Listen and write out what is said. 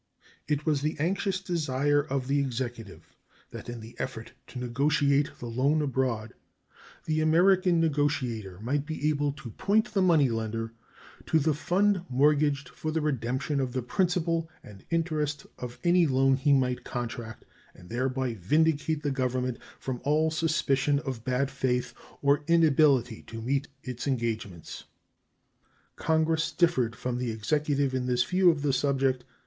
It was the anxious desire of the Executive that in the effort to negotiate the loan abroad the American negotiator might be able to point the money lender to the fund mortgaged for the redemption of the principal and interest of any loan he might contract, and thereby vindicate the Government from all suspicion of bad faith or inability to meet its engagements. Congress differed from the Executive in this view of the subject.